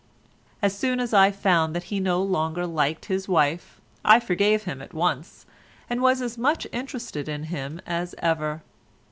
As soon as I found that he no longer liked his wife I forgave him at once, and was as much interested in him as ever.